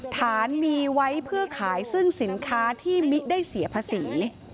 ฐานมีไว้เพื่อขายซึ่งสินค้าที่มิได้เสียภาษี